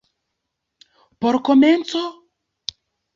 Por komenco?